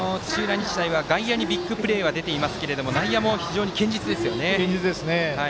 日大は外野にビッグプレーは出ていますが内野も非常に堅実ですよね。